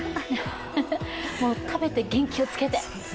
もう食べて元気をつけて。